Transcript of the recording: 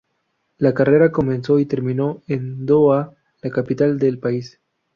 La carrera comenzó y terminó en Doha, la capital del país.